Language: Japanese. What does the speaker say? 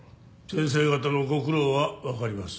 先生方のご苦労はわかります。